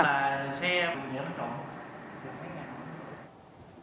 công an tỉnh đồng nai